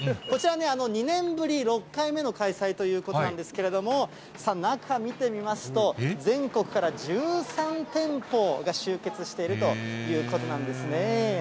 こちらは２年ぶり６回目の開催ということなんですけれども、さあ、中見てみますと、全国から１３店舗が集結しているということなんですね。